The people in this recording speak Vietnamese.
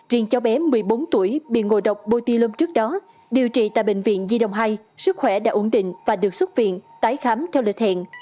riêng cháu bé một mươi bốn tuổi bị ngộ độc bôi lông trước đó điều trị tại bệnh viện di đồng hai sức khỏe đã ổn định và được xuất viện tái khám theo lịch hẹn